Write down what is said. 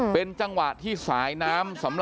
พี่บูรำนี้ลงมาแล้ว